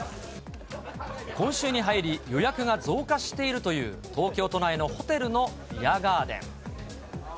今週に入り、予約が増加しているという、東京都内のホテルのビアガーデン。